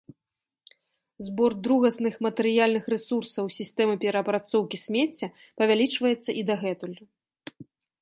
Збор другасных матэрыяльных рэсурсаў сістэмы пераапрацоўкі смецця павялічваецца і дагэтуль